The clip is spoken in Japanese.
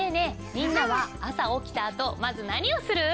みんなは朝起きたあとまず何をする？